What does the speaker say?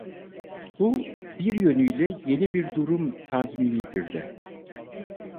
Bu bir yönüyle yeni bir durum tazminidir de.